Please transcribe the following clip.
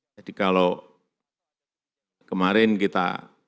jadi kalau kemarin kita